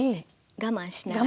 我慢しながら。